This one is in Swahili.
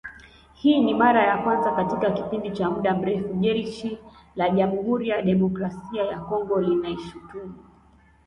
Hii ni mara ya kwanza katika kipindi cha muda mrefu Jeshi la Jamuhuri ya Demokrasia ya Kongo linaishutumu